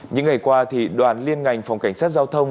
những ngày qua đoàn liên ngành phòng cảnh sát giao thông